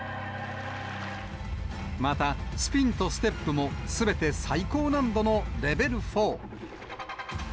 また、スピンとステップもすべて最高難度のレベル４。